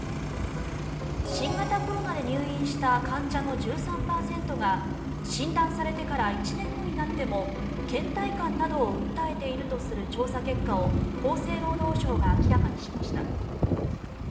新型コロナで入院した患者の１３％が診断されてから１年後になってもけん怠感などを訴えているとする調査結果を厚生労働省が明らかにしました。